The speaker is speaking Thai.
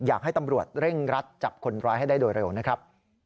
อยากให้ตำรวจเร่งรัดจับคนร้ายให้ได้โดยเร็วนะครับ